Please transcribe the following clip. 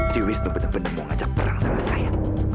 si wisnu bener bener mau ngajak perang sama saya